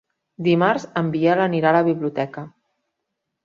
Dimarts en Biel anirà a la biblioteca.